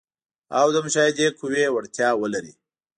او د مشاهدې قوي وړتیا ولري.